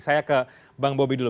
saya ke bang bobi dulu